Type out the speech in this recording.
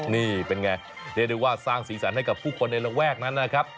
นี่เป็นไงเรียกได้ว่าสร้างสีสันให้กับผู้คนในระแวกนั้นนะครับ